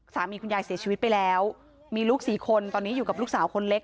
คุณยายเสียชีวิตไปแล้วมีลูกสี่คนตอนนี้อยู่กับลูกสาวคนเล็ก